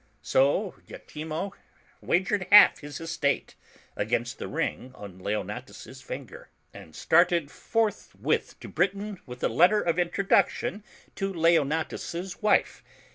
So lachimo wagered half his estate against the ring on Leon atus' finger, and started forthwith to Britain with a letter of in troduction to Leonatus' wife.